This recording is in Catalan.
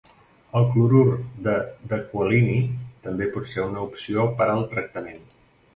El clorur de decualini també por ser una opció per al tractament.